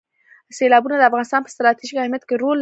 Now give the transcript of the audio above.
سیلابونه د افغانستان په ستراتیژیک اهمیت کې رول لري.